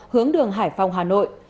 hướng đường hải phòng hà nội